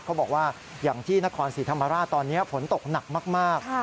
เขาบอกว่าอย่างที่นครศรีธรรมราชตอนนี้ฝนตกหนักมาก